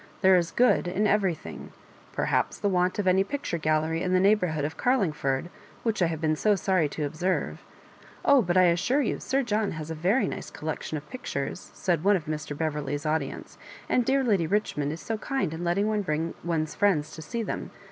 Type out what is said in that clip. There is good in everything; perhaps the want of any picture gallery in the neighbourhood of Oarling ford, which I have been so sorry to ojjserve " 0h, but I assure you Sir John' has a very nice collection of pictures," said one of Mr. Bev erley*s audience, ^* and dear Lady Bichmond is so kind in letting one bring one's friends to see them.